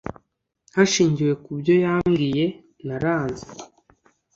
hashingiwe ku byoyambwiye naranze.